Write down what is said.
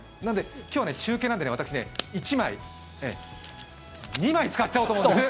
今日は中継なので１枚２枚使っちゃおうと思うんです。